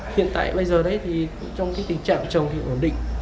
hiện tại bây giờ trong tình trạng chồng thì ổn định